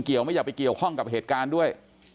ไม่อยากไปเกี่ยวข้องกับเหตุการณ์ด้วย